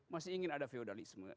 masih ingin ada feudalisme